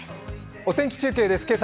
お天気中継です。